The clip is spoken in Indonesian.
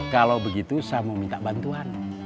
kalau begitu saya mau minta bantuan